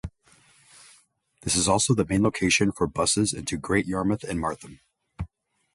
This is also the main location for buses into Great Yarmouth and Martham.